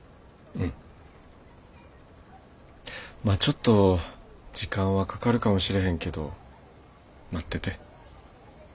まあちょっと時間はかかるかもしれへんけど待ってて。